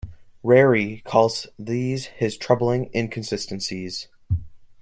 Rary calls these his troubling inconsistencies.